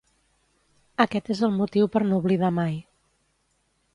Aquest és el motiu per no oblidar mai.